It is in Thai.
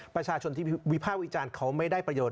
ประชาชนที่วิภาควิจารณ์เขาไม่ได้ประโยชน